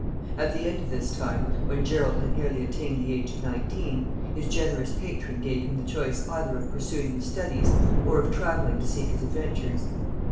At the end of this time, when Gerald had nearly attained the age of nineteen, his generous patron gave him the choice either of pursuing his studies or of travelling to seek his adventures.